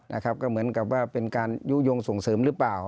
นะครับก็เหมือนกับว่าเป็นการยุโยงส่งเสริมหรือเปล่า